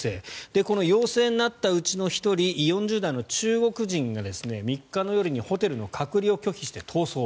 この陽性になった内の１人４０代の中国人が３日の夜にホテルの隔離を拒否して逃走。